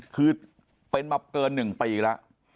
คือเป็นมาเกิน๑ปีแล้ว